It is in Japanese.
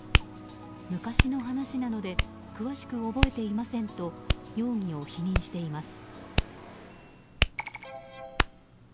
昔の話なので詳しく覚えていませんと容疑を否認しています。